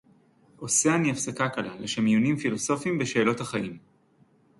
עושה אני הפסקה קלה לשם עיונים פילוסופיים בשאלות החיים